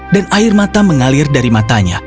dan air mata mengalir dari matanya